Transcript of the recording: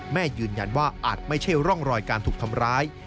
ยืนยันว่าอาจไม่ใช่ร่องรอยการถูกทำร้าย